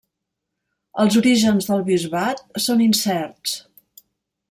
Els orígens del bisbat són incerts.